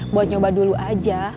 buat nyoba dulu aja